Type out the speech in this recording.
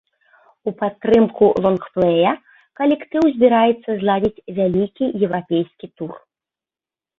У падтрымку лонгплэя калектыў збіраецца зладзіць вялікі еўрапейскі тур.